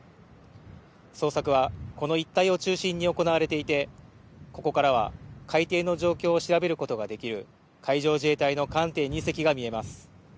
捜索はこの一帯を中心に行われていてここからは海底の状況を調べることができる海上自衛隊の艦艇２隻が見えます。